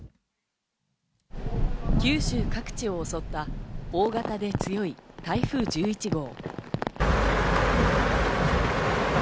九州各地を襲った大型で強い台風１１号。